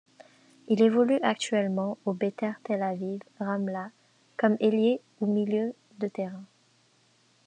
Il évolue actuellement au Beitar Tel Aviv Ramla comme ailier ou milieu de terrain.